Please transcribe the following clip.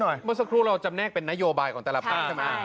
เมื่อสักครู่เราจำแนกเป็นนโยบายของแต่ละพักใช่ไหม